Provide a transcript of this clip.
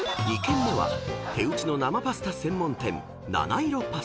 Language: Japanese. ［２軒目は手打ちの生パスタ専門店］